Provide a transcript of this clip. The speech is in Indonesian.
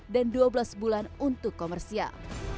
dan dua belas bulan untuk komersial